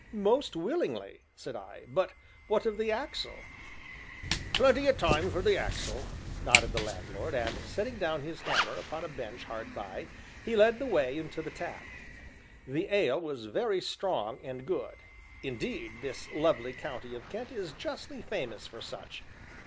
"Most willingly," said I, "but what of the axle?" "Plenty o' time for th' axle," nodded the landlord, and setting down his hammer upon a bench hard by, he led the way into the tap. The ale was very strong and good; indeed this lovely county of Kent is justly famous for such.